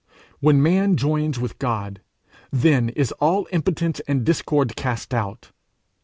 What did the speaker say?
When man joins with God, then is all impotence and discord cast out.